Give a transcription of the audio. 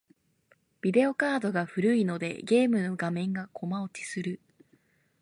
ビデオカードが古いので、ゲームの画面がコマ落ちする。